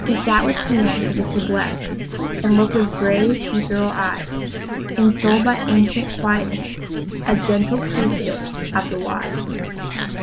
She sat with hands as if to bless, And looked with grave, ethereal eyes; Ensouled by ancient quietness, A gentle priestess of the Wise.